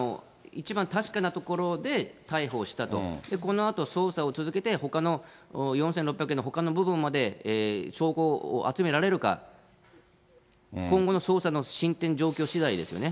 とりあえずは、一番確かなところで逮捕したと、このあと、捜査を続けて、ほかの４６００万円のほかの部分まで証拠を集められるか、今後の捜査の進展状況しだいですよね。